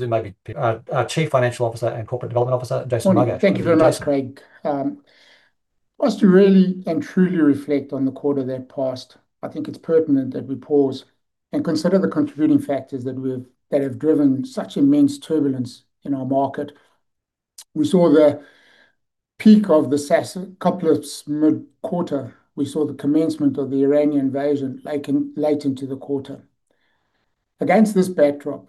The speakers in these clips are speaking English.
Zoom, maybe. Our Chief Financial Officer and Corporate Development Officer, Jason Margach. Morning. Thank you very much, Craig. For us to really and truly reflect on the quarter that passed, I think it's pertinent that we pause and consider the contributing factors that have driven such immense turbulence in our market. We saw the peak of the SaaS couple of mid-quarter. We saw the commencement of the Iranian invasion late into the quarter. Against this backdrop,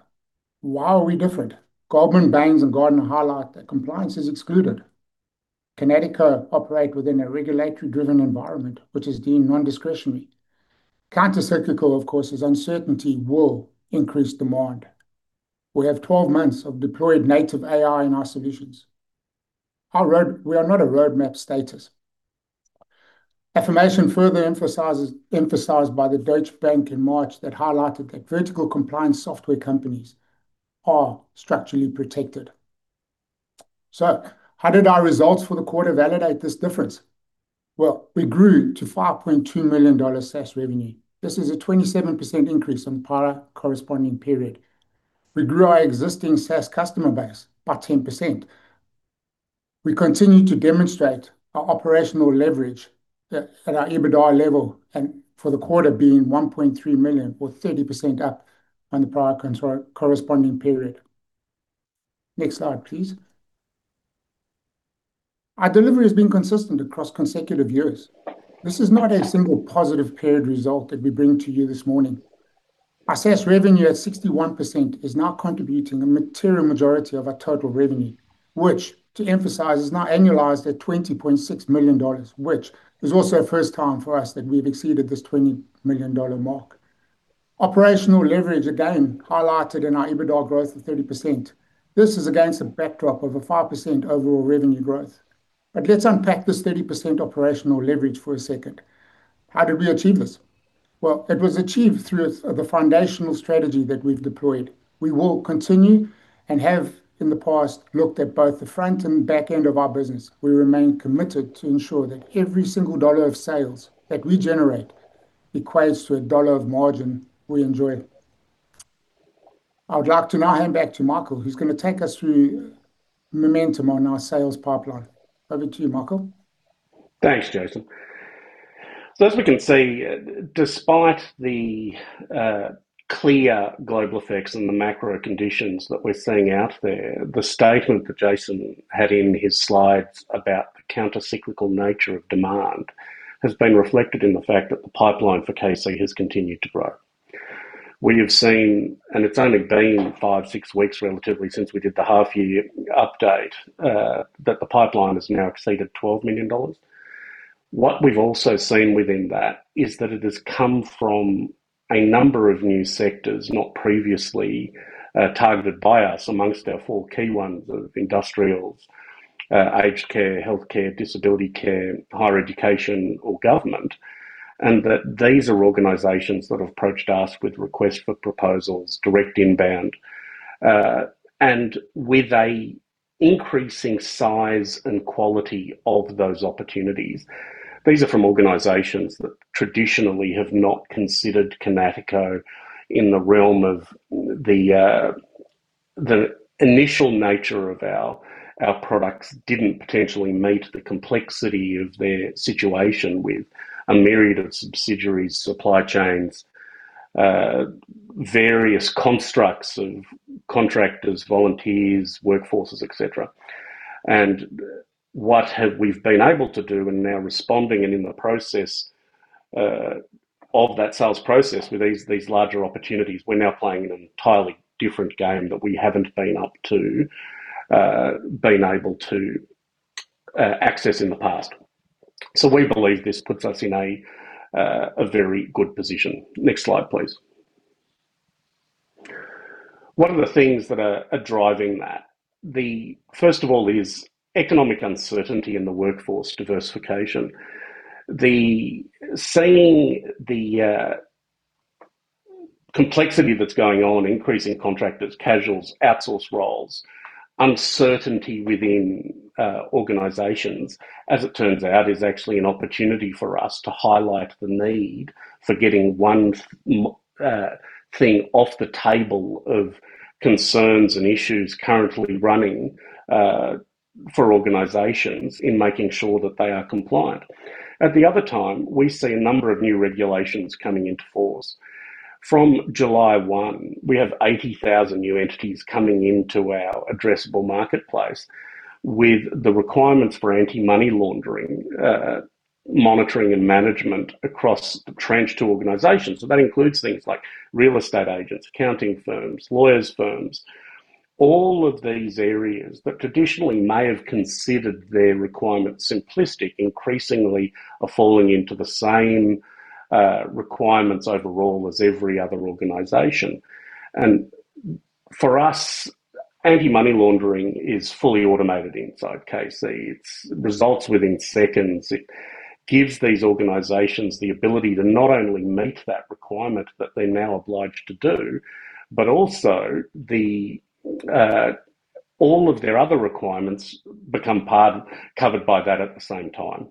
why are we different? Goldman, Bain's, and Gordon highlight that compliance is excluded. Kinatico operate within a regulatory-driven environment, which is deemed non-discretionary. Counter-cyclical, of course, is uncertainty will increase demand. We have 12 months of deployed native AI in our solutions. We are not a roadmap status. Affirmation further emphasized by the Deutsche Bank in March that highlighted that vertical compliance software companies are structurally protected. So how did our results for the quarter validate this difference? Well, we grew to 5.2 million dollars SaaS revenue. This is a 27% increase on prior corresponding period. We grew our existing SaaS customer base by 10%. We continue to demonstrate our operational leverage at our EBITDA level, and for the quarter being 1.3 million or 30% up on the prior corresponding period. Next slide, please. Our delivery has been consistent across consecutive years. This is not a simple positive period result that we bring to you this morning. Our SaaS revenue at 61% is now contributing a material majority of our total revenue, which to emphasize, is now annualized at 20.6 million dollars, which is also a first time for us that we've exceeded this 20 million dollar mark. Operational leverage, again, highlighted in our EBITDA growth of 30%. This is against a backdrop of a 5% overall revenue growth. Let's unpack this 30% operational leverage for a second. How did we achieve this? Well, it was achieved through the foundational strategy that we've deployed. We will continue, and have in the past, looked at both the front and back end of our business. We remain committed to ensure that every single dollar of sales that we generate equates to a dollar of margin we enjoy. I would like to now hand back to Michael, who's going to take us through momentum on our sales pipeline. Over to you, Michael. Thanks, Jason. As we can see, despite the clear global effects and the macro conditions that we're seeing out there, the statement that Jason had in his slides about the counter-cyclical nature of demand has been reflected in the fact that the pipeline for KC has continued to grow. We have seen, and it's only been five, six weeks, relatively, since we did the half-year update, that the pipeline has now exceeded 12 million dollars. What we've also seen within that is that it has come from a number of new sectors not previously targeted by us amongst our four key ones of industrials, aged care, healthcare, disability care, higher education or government, and that these are organizations that have approached us with requests for proposals, direct inbound, and with an increasing size and quality of those opportunities. These are from organizations that traditionally have not considered Kinatico in the realm of the initial nature of our products didn't potentially meet the complexity of their situation with a myriad of subsidiaries, supply chains, various constructs of contractors, volunteers, workforces, et cetera. What we've been able to do and now responding and in the process of that sales process with these larger opportunities, we're now playing an entirely different game that we haven't been able to access in the past. We believe this puts us in a very good position. Next slide, please. What are the things that are driving that? First of all is economic uncertainty and the workforce diversification. Seeing the complexity that's going on, increasing contractors, casuals, outsourced roles, uncertainty within organizations, as it turns out, is actually an opportunity for us to highlight the need for getting one thing off the table of concerns and issues currently running for organizations in making sure that they are compliant. At the same time, we see a number of new regulations coming into force. From July 1, we have 80,000 new entities coming into our addressable marketplace with the requirements for anti-money laundering, monitoring, and management across a tranche of organizations. That includes things like real estate agents, accounting firms, lawyers' firms. All of these areas that traditionally may have considered their requirements simplistic, increasingly are falling into the same requirements overall as every other organization. For us, anti-money laundering is fully automated inside KC. It results within seconds. It gives these organizations the ability to not only meet that requirement that they're now obliged to do, but also all of their other requirements become covered by that at the same time.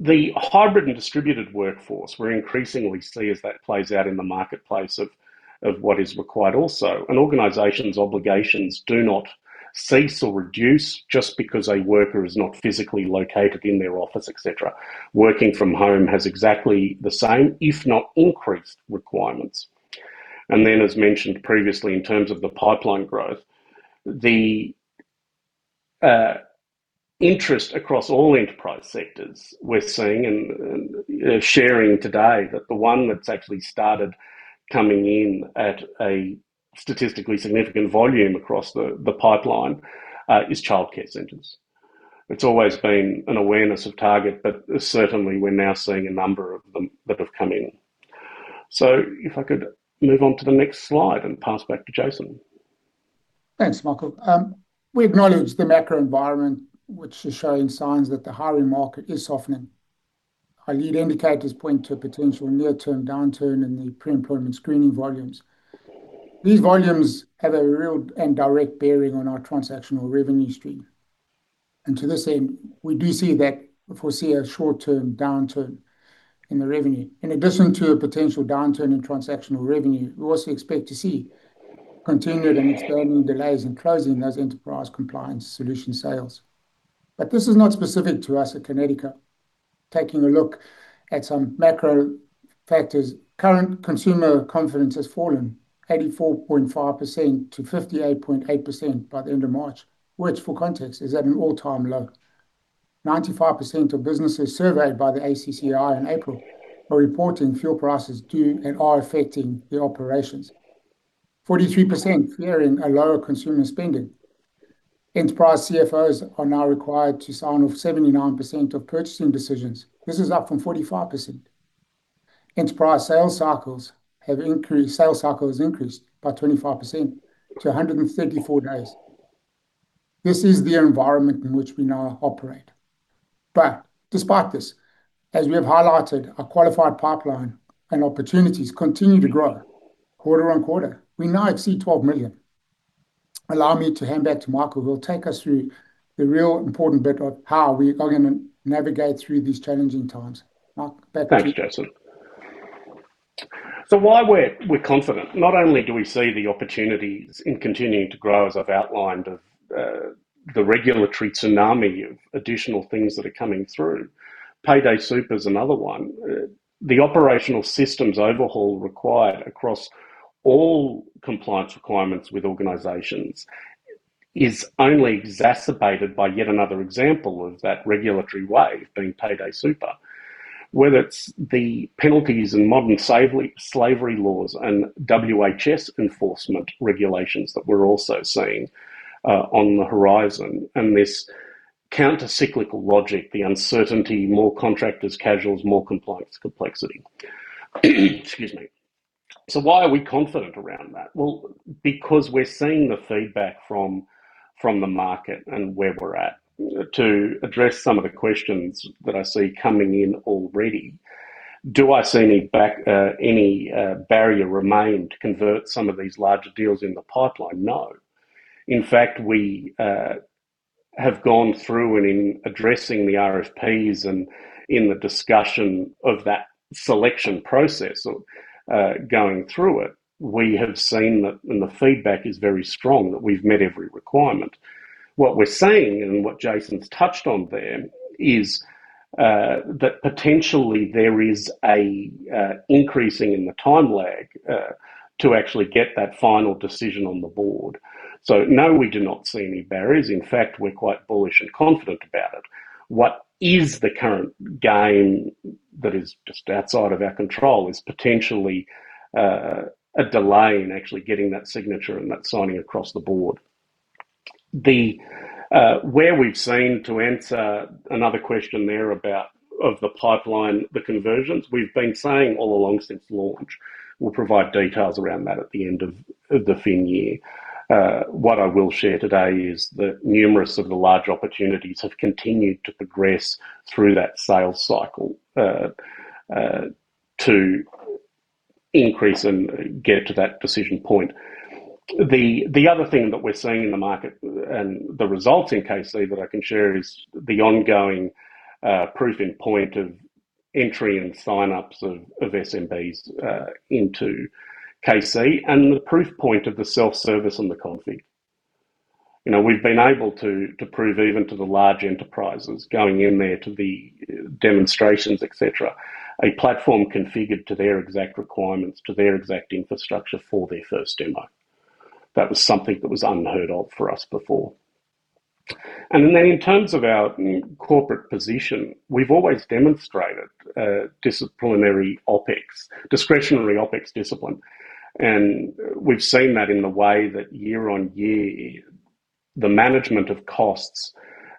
The hybrid and distributed workforce, we're increasingly seeing as that plays out in the marketplace of what is required also. An organization's obligations do not cease or reduce just because a worker is not physically located in their office, et cetera. Working from home has exactly the same, if not increased, requirements. As mentioned previously, in terms of the pipeline growth, the interest across all enterprise sectors we're seeing, and sharing today, that the one that's actually started coming in at a statistically significant volume across the pipeline, is childcare centers. It's always been an awareness of target, but certainly we're now seeing a number of them that have come in. If I could move on to the next slide and pass back to Jason. Thanks, Michael. We acknowledge the macro environment, which is showing signs that the hiring market is softening. Our lead indicators point to a potential near-term downturn in the pre-employment screening volumes. These volumes have a real and direct bearing on our transactional revenue stream. To this end, we do see that we foresee a short-term downturn in the revenue. In addition to a potential downturn in transactional revenue, we also expect to see continued and expanding delays in closing those enterprise compliance solution sales. This is not specific to us at Kinatico. Taking a look at some macro factors, current consumer confidence has fallen from 84.5% to 58.8% by the end of March, which, for context, is at an all-time low. 95% of businesses surveyed by the ACCI in April are reporting fuel prices do and are affecting their operations. 43% are fearing a lower consumer spending. Enterprise CFOs are now required to sign off 79% of purchasing decisions. This is up from 45%. Enterprise sales cycles have increased by 25% to 134 days. This is the environment in which we now operate. Despite this, as we have highlighted, our qualified pipeline and opportunities continue to grow quarter-on-quarter. We now exceed 12 million. Allow me to hand back to Michael, who will take us through the really important bit of how we are going to navigate through these challenging times. Mike, back to you. Thanks, Jason. Why we're confident? Not only do we see the opportunities in continuing to grow, as I've outlined, of the regulatory tsunami of additional things that are coming through. Payday Super's another one. The operational systems overhaul required across all compliance requirements with organizations is only exacerbated by yet another example of that regulatory wave being Payday Super. Whether it's the penalties and modern slavery laws and WHS enforcement regulations that we're also seeing on the horizon, and this counter-cyclical logic, the uncertainty, more contractors, casuals, more compliance complexity. Excuse me. Why are we confident around that? Well, because we're seeing the feedback from the market and where we're at. To address some of the questions that I see coming in already, do I see any back, any barrier remain to convert some of these larger deals in the pipeline? No. In fact, we have gone through and, in addressing the RFPs and in the discussion of that selection process of going through it. We have seen that, and the feedback is very strong, that we've met every requirement. What we're seeing and what Jason's touched on there is that potentially there is an increasing in the time lag to actually get that final decision on the board. No, we do not see any barriers. In fact, we're quite bullish and confident about it. What is the current gain that is just outside of our control is potentially a delay in actually getting that signature and that signing across the board. Where we've seen, to answer another question there about the pipeline, the conversions, we've been saying all along since launch, we'll provide details around that at the end of the fin year. What I will share today is that a number of the large opportunities have continued to progress through that sales cycle to increase and get to that decision point. The other thing that we're seeing in the market and the results in KC that I can share is the ongoing proof point of entry and sign-ups of SMBs into KC and the proof point of the self-service and the config. We've been able to prove even to the large enterprises going in there to the demonstrations, et cetera, a platform configured to their exact requirements, to their exact infrastructure for their first demo. That was something that was unheard of for us before. In terms of our corporate position, we've always demonstrated disciplinary OpEx, discretionary OpEx discipline, and we've seen that in the way that year-on-year the management of costs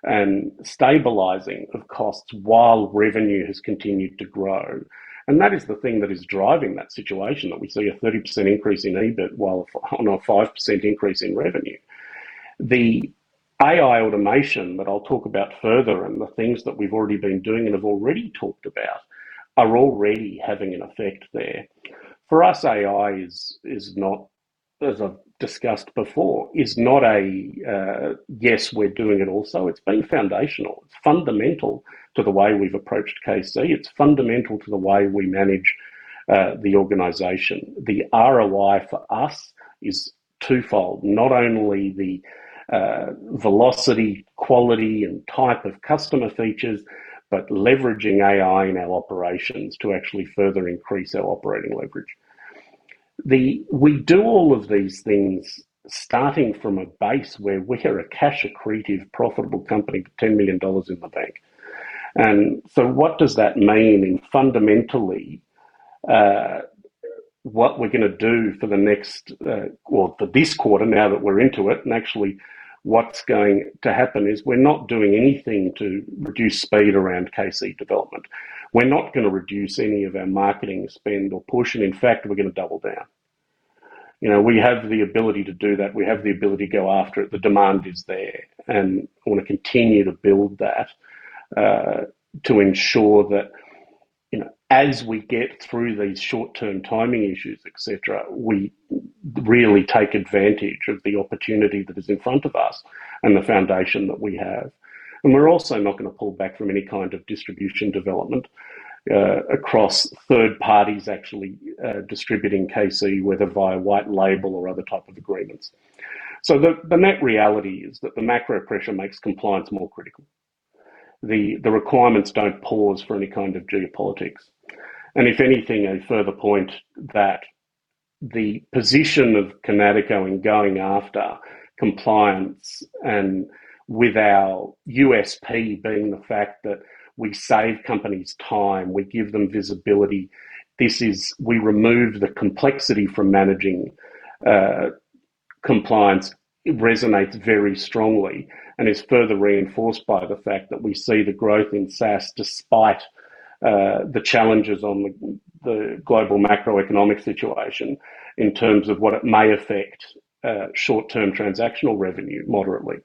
and stabilizing of costs while revenue has continued to grow. That is the thing that is driving that situation, that we see a 30% increase in EBIT, while on a 5% increase in revenue. The AI automation that I'll talk about further and the things that we've already been doing and have already talked about. Are already having an effect there. For us, AI is not, as I've discussed before, is not a, yes, we're doing it also. It's been foundational. It's fundamental to the way we've approached KC. It's fundamental to the way we manage the organization. The ROI for us is twofold. Not only the velocity, quality, and type of customer features, but leveraging AI in our operations to actually further increase our operating leverage. We do all of these things starting from a base where we are a cash accretive, profitable company with 10 million dollars in the bank. What does that mean? Fundamentally, what we're going to do for this quarter now that we're into it, and actually what's going to happen is we're not doing anything to reduce speed around KC development. We're not going to reduce any of our marketing spend or push, and in fact, we're going to double down. We have the ability to do that. We have the ability to go after it. The demand is there, and I want to continue to build that to ensure that as we get through these short-term timing issues, et cetera, we really take advantage of the opportunity that is in front of us and the foundation that we have. We're also not going to pull back from any kind of distribution development across third parties actually distributing KC, whether via white label or other type of agreements. The net reality is that the macro pressure makes compliance more critical. The requirements don't pause for any kind of geopolitics. If anything, I'd further point that the position of Kinatico in going after compliance and with our USP being the fact that we save companies time, we give them visibility. We remove the complexity from managing compliance resonates very strongly and is further reinforced by the fact that we see the growth in SaaS despite the challenges on the global macroeconomic situation in terms of what it may affect short-term transactional revenue moderately.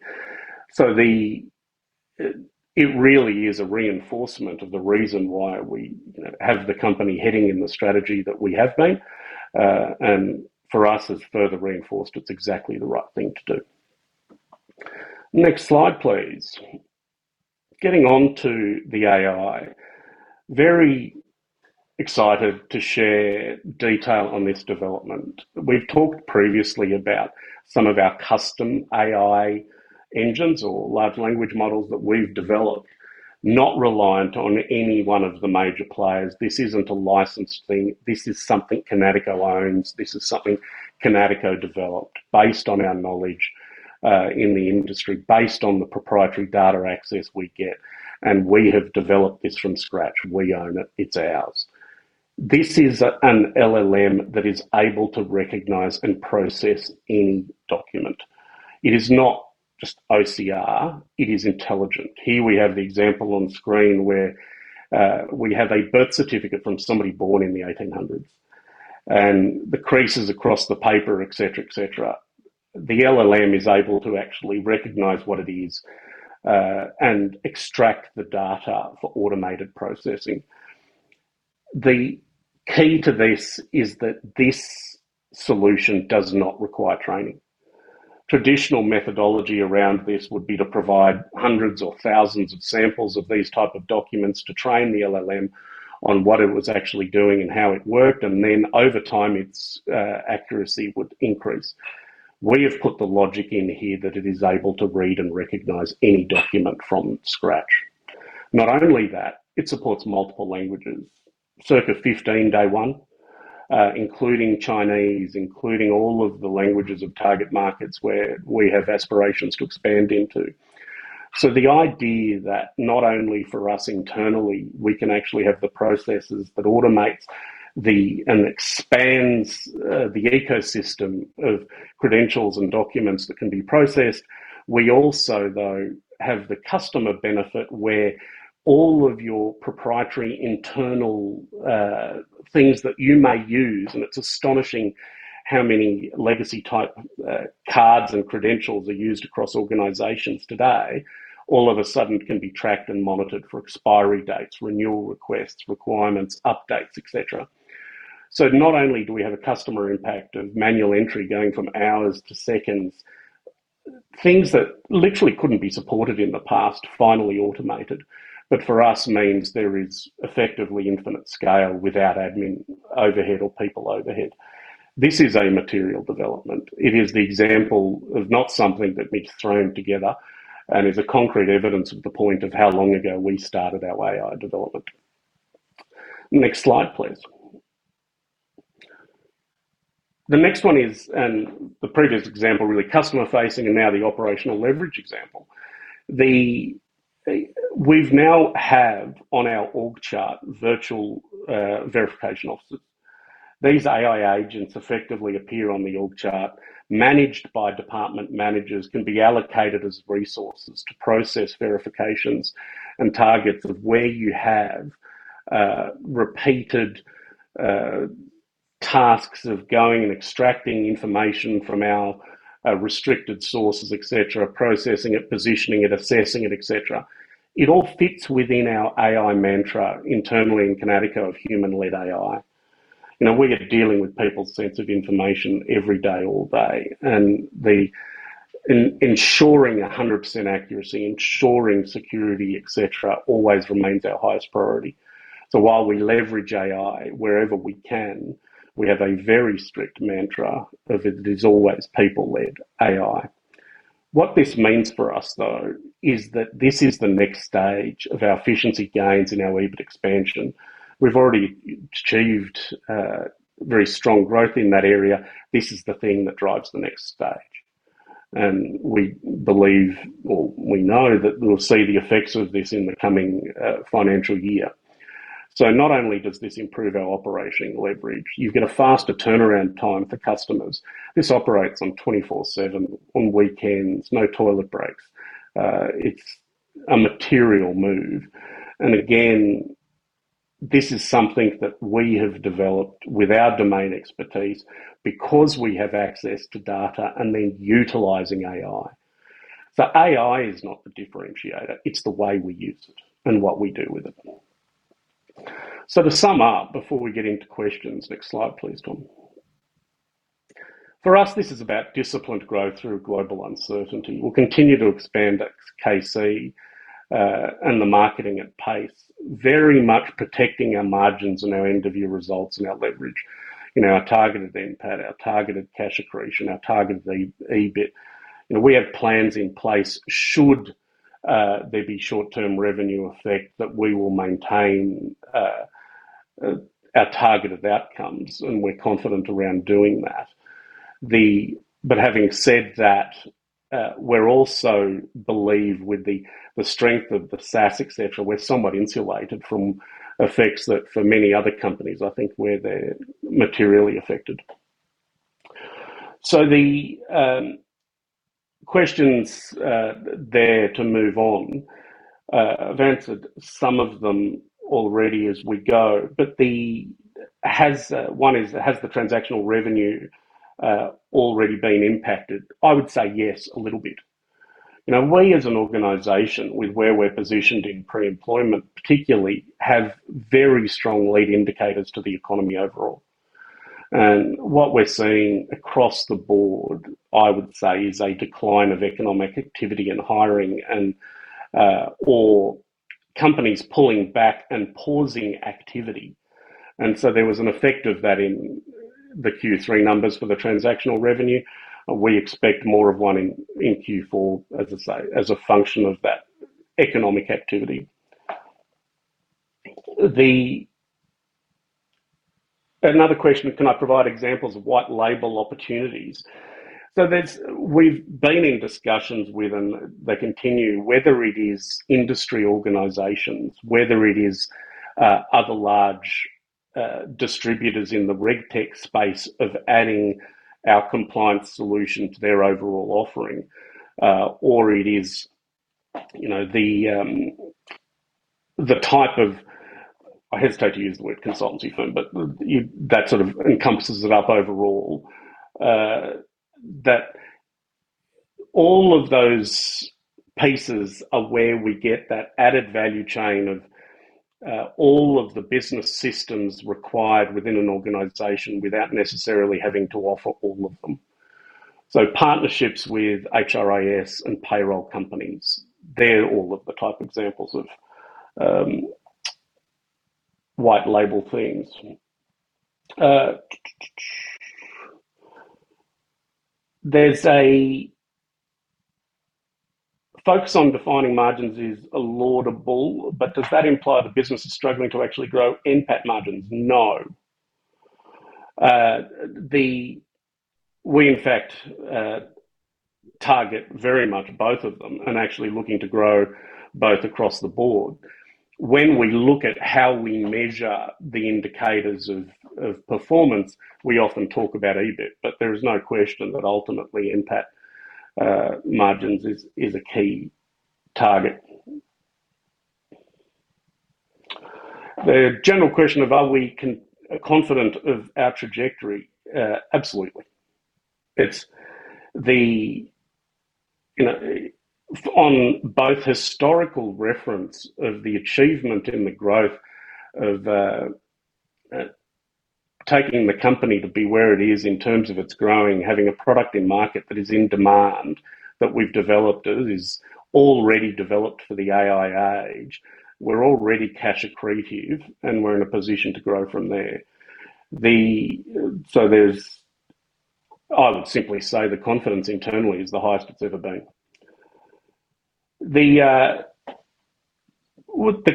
It really is a reinforcement of the reason why we have the company heading in the strategy that we have been. For us, it's further reinforced it's exactly the right thing to do. Next slide, please. Getting on to the AI. Very excited to share detail on this development. We've talked previously about some of our custom AI engines or large language models that we've developed, not reliant on any one of the major players. This isn't a licensed thing. This is something Kinatico owns. This is something Kinatico developed based on our knowledge in the industry, based on the proprietary data access we get, and we have developed this from scratch. We own it. It's ours. This is an LLM that is able to recognize and process any document. It is not just OCR. It is intelligent. Here we have the example on screen where we have a birth certificate from somebody born in the 1800s, and the creases across the paper, et cetera. The LLM is able to actually recognize what it is and extract the data for automated processing. The key to this is that this solution does not require training. Traditional methodology around this would be to provide hundreds or thousands of samples of these type of documents to train the LLM on what it was actually doing and how it worked, and then over time, its accuracy would increase. We have put the logic in here that it is able to read and recognize any document from scratch. Not only that, it supports multiple languages. Circa 15 day one, including Chinese, including all of the languages of target markets where we have aspirations to expand into. The idea that not only for us internally, we can actually have the processes that automates and expands the ecosystem of credentials and documents that can be processed. We also, though, have the customer benefit where all of your proprietary internal things that you may use, and it's astonishing how many legacy type cards and credentials are used across organizations today, all of a sudden can be tracked and monitored for expiry dates, renewal requests, requirements, updates, et cetera. Not only do we have a customer impact of manual entry going from hours to seconds, things that literally couldn't be supported in the past, finally automated. For us means there is effectively infinite scale without admin overhead or people overhead. This is a material development. It is the example of not something that's been thrown together and is a concrete evidence of the point of how long ago we started our AI development. Next slide, please. The next one is, and the previous example really customer facing and now the operational leverage example. We now have on our org chart virtual verification officers. These AI agents effectively appear on the org chart managed by department managers, can be allocated as resources to process verifications and targets of where you have repeated tasks of going and extracting information from our restricted sources, et cetera, processing it, positioning it, assessing it, et cetera. It all fits within our AI mantra internally in Kinatico of human-led AI. We are dealing with people's sensitive information every day, all day, and ensuring 100% accuracy, ensuring security, et cetera, always remains our highest priority. While we leverage AI wherever we can, we have a very strict mantra of it is always people-led AI. What this means for us, though, is that this is the next stage of our efficiency gains and our EBIT expansion. We've already achieved very strong growth in that area. This is the thing that drives the next stage, and we believe, or we know that we'll see the effects of this in the coming financial year. Not only does this improve our operating leverage, you get a faster turnaround time for customers. This operates on 24/7, on weekends, no toilet breaks. It's a material move. Again, this is something that we have developed with our domain expertise because we have access to data and then utilizing AI. AI is not the differentiator. It's the way we use it and what we do with it. To sum up before we get into questions. Next slide, please, Dom. For us, this is about disciplined growth through global uncertainty. We'll continue to expand KC and the marketing at pace, very much protecting our margins and our end of year results and our leverage in our targeted NPAT, our targeted cash accretion, our targeted EBIT. We have plans in place should there be short-term revenue effect, that we will maintain our targeted outcomes, and we're confident around doing that. Having said that, we also believe with the strength of the SaaS, et cetera, we're somewhat insulated from effects that for many other companies, I think, where they're materially affected. The questions there to move on. I've answered some of them already as we go, but one is: Has the transactional revenue already been impacted? I would say yes, a little bit. We as an organization, with where we're positioned in pre-employment particularly, have very strong lead indicators to the economy overall. What we're seeing across the board, I would say, is a decline of economic activity and hiring and/or companies pulling back and pausing activity. There was an effect of that in the Q3 numbers for the transactional revenue. We expect more of one in Q4, as I say, as a function of that economic activity. Another question, can I provide examples of white label opportunities? We've been in discussions with, and they continue, whether it is industry organizations, whether it is other large distributors in the RegTech space of adding our compliance solution to their overall offering. It is the type of, I hesitate to use the word consultancy firm, but that sort of encompasses it up overall. That all of those pieces are where we get that added value chain of all of the business systems required within an organization without necessarily having to offer all of them. Partnerships with HRIS and payroll companies, they're all of the type examples of white label themes. "There's a focus on defining margins is laudable, but does that imply the business is struggling to actually grow NPAT margins?" No. We, in fact, target very much both of them and actually looking to grow both across the board. When we look at how we measure the indicators of performance, we often talk about EBIT, but there is no question that ultimately NPAT margins is a key target. The general question of are we confident of our trajectory? Absolutely. On both historical reference of the achievement and the growth of taking the company to be where it is in terms of its growing, having a product in market that is in demand, that we've developed, that is already developed for the AI age. We're already cash accretive, and we're in a position to grow from there. I would simply say the confidence internally is the highest it's ever been. The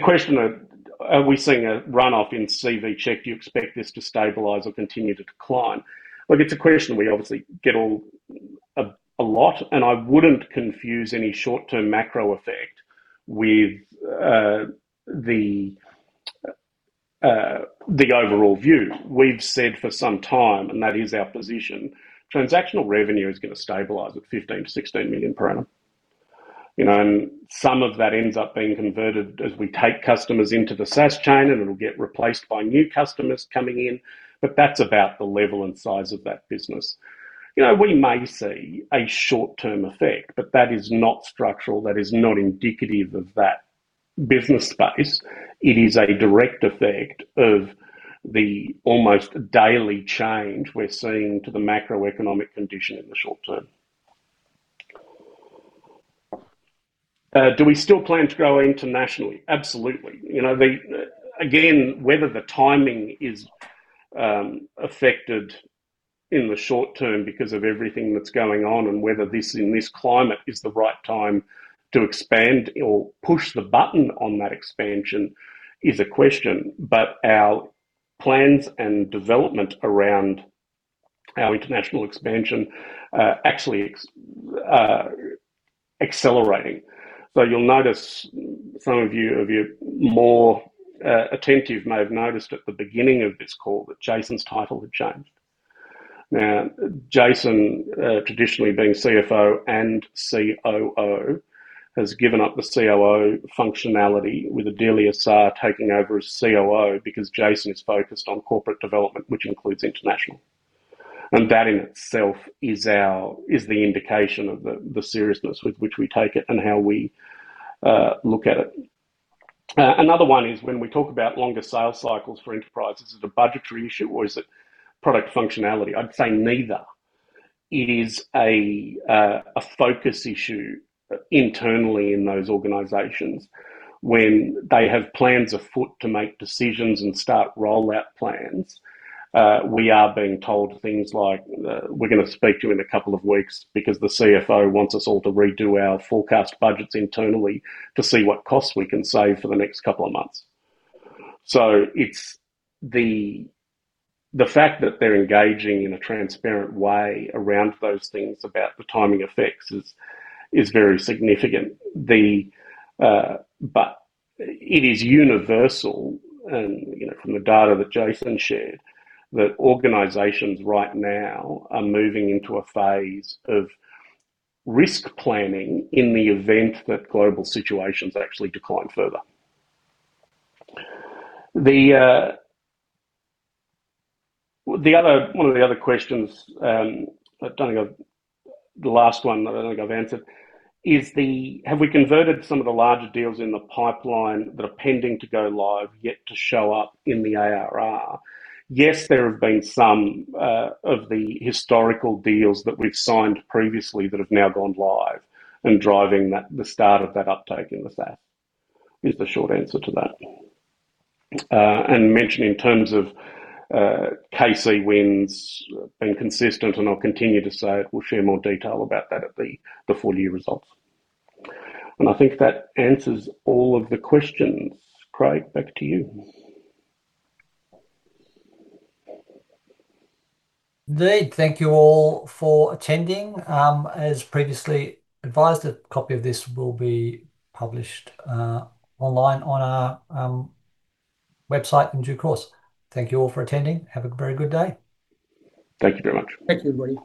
question of, are we seeing a runoff in CVCheck? Do you expect this to stabilize or continue to decline? Look, it's a question we obviously get a lot, and I wouldn't confuse any short-term macro effect with the overall view. We've said for some time, and that is our position, transactional revenue is going to stabilize at 15 million-16 million per annum. Some of that ends up being converted as we take customers into the SaaS chain, and it'll get replaced by new customers coming in. That's about the level and size of that business. We may see a short-term effect, but that is not structural. That is not indicative of that business space. It is a direct effect of the almost daily change we're seeing to the macroeconomic condition in the short term. Do we still plan to grow internationally? Absolutely. Again, whether the timing is affected in the short term because of everything that's going on, and whether in this climate is the right time to expand or push the button on that expansion is a question. Our plans and development around our international expansion are actually accelerating. You'll notice, some of you who are more attentive may have noticed at the beginning of this call that Jason's title had changed. Now, Jason, traditionally being CFO and COO, has given up the COO functionality, with Odelia Sarre taking over as COO because Jason is focused on corporate development, which includes international. That in itself is the indication of the seriousness with which we take it and how we look at it. Another one is when we talk about longer sales cycles for enterprises, is it a budgetary issue or is it product functionality? I'd say neither. It is a focus issue internally in those organizations. When they have plans afoot to make decisions and start rollout plans, we are being told things like, "We're going to speak to you in a couple of weeks because the CFO wants us all to redo our forecast budgets internally to see what costs we can save for the next couple of months." It's the fact that they're engaging in a transparent way around those things about the timing effects is very significant. It is universal, and from the data that Jason shared, that organizations right now are moving into a phase of risk planning in the event that global situations actually decline further. One of the other questions, the last one that I think I've answered is, have we converted some of the larger deals in the pipeline that are pending to go live yet to show up in the ARR? Yes, there have been some of the historical deals that we've signed previously that have now gone live and driving the start of that uptake in the SaaS, is the short answer to that. Mentioned in terms of KC wins, been consistent, and I'll continue to say we'll share more detail about that at the full year results. I think that answers all of the questions. Craig, back to you. Indeed. Thank you all for attending. As previously advised, a copy of this will be published online on our website in due course. Thank you all for attending. Have a very good day. Thank you very much. Thank you, everybody.